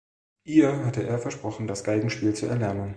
Ihr hatte er versprochen, das Geigenspiel zu erlernen.